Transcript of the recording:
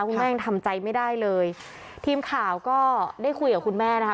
คุณแม่ยังทำใจไม่ได้เลยทีมข่าวก็ได้คุยกับคุณแม่นะคะ